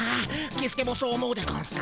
キスケもそう思うでゴンスか！